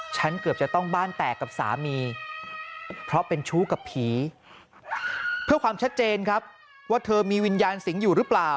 เกือบจะต้องบ้านแตกกับสามีเพราะเป็นชู้กับผีเพื่อความชัดเจนครับว่าเธอมีวิญญาณสิงห์อยู่หรือเปล่า